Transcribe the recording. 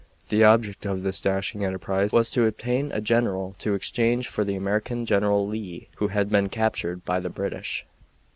The object of this dashing enterprise was to obtain a general to exchange for the American General Lee, who had been captured by the British.